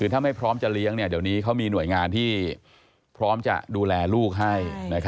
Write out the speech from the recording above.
ถ้าไม่พร้อมจะเลี้ยงเดี๋ยวนี้เขามีหน่วยงานที่พร้อมจะดูแลลูกให้